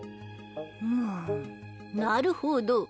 うーんなるほど。